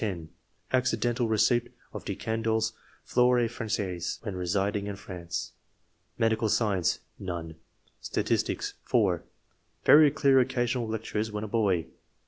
— (10) Accidental receipt of De Can dolle's *^ Flore franjaise," when residing in France. Medical Science. — ^None. Statistics. — (4) Very clear occasional lectures when a boy.